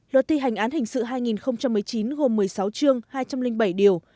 luật thi hành án hình sự hai nghìn một mươi chín gồm một mươi sáu chương hai trăm linh bảy điều